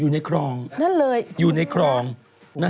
อยู่ในครองอยู่ในครองนั่นเลย